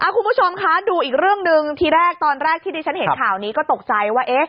คุณผู้ชมคะดูอีกเรื่องหนึ่งทีแรกตอนแรกที่ดิฉันเห็นข่าวนี้ก็ตกใจว่า